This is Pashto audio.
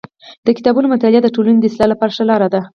د کتابونو مطالعه د ټولني د اصلاح لپاره ښه لار ده.